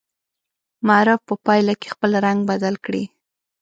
معرف په پایله کې خپل رنګ بدل کړي.